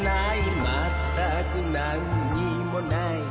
まったくなんにもない